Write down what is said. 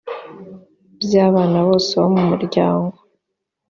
by abana bose bo mu miryango